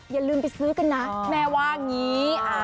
อย่าลืมไปซื้อกันนะแม่ว่าอย่างนี้